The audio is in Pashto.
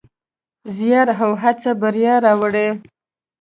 زیار او هڅه بریا راوړي.